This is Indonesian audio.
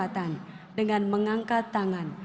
takkan jasa usaha